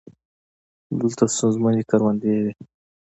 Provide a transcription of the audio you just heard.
دلته ستونزمنې کروندې وې.